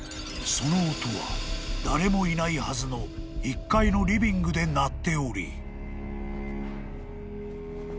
・・・［その音は誰もいないはずの１階のリビングで鳴っており］